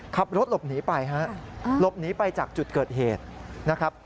ขับรถหลบหนีไปฮะหลบหนีไปจากจุดเกิดเหตุนะครับ